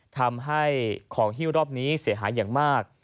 ทำให้ของฮิ้วรอบนี้เสียหายอย่างมาก